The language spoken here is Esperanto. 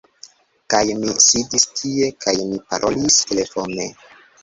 Kaj mi sidis tie kaj mi parolis telefone.